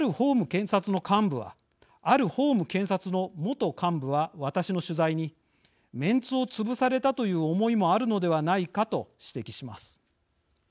ある法務検察の元幹部は私の取材にメンツをつぶされたという思いもあるのではないかと指摘します。